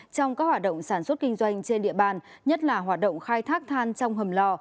trong các hoạt động sản xuất kinh doanh trên địa bàn nhất là hoạt động khai thác than trong hầm lò